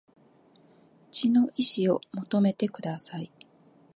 血の遺志を求めてください